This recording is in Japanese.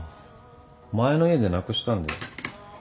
前の家でなくしたんで。